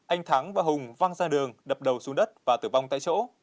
anh thắng và hùng văng ra đường đập đầu xuống đất và tử vong tại chỗ